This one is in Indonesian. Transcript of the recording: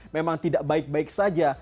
memang tidak baik baik saja